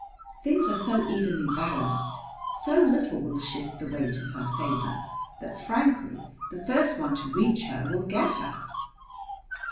Things are so evenly balanced, so little will shift the weight of her favor, that frankly the first one to reach her will get her."